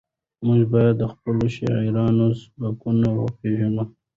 موږ باید د خپلو شاعرانو سبکونه وپېژنو.